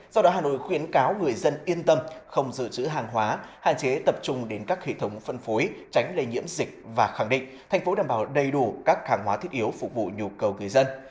do đó hà nội khuyến cáo người dân yên tâm không giữ chữ hàng hóa hạn chế tập trung đến các hệ thống phân phối tránh lây nhiễm dịch và khẳng định thành phố đảm bảo đầy đủ các hàng hóa thiết yếu phục vụ nhu cầu người dân